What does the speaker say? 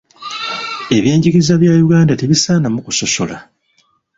Ebyenjigiriza bya Uganda tebisaanamu kusosola.